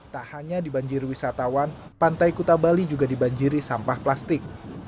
tak hanya dibanjiri wisatawan pantai kuta bali juga dibanjiri sampah plastik